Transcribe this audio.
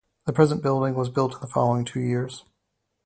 The present building was built in the following two years.